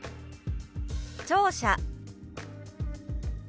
「聴者」。